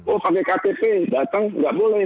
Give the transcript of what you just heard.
oh pakai ktp datang nggak boleh